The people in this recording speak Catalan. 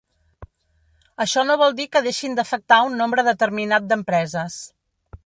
Això no vol dir que deixin d’afectar un nombre determinat d’empreses.